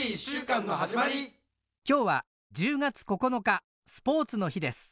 今日は１０月９日スポーツの日です。